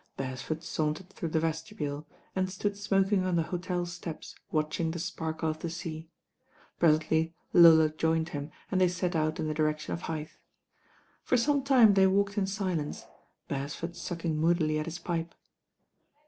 Bcresford sauntered through the vestibule, and stood smoking on the hotel steps watching the sparkle of the sea. Presently Lola joined him and they set out in the direction of Hythe. For some time they walked in silence; Beresford sucking moodily at his pipe.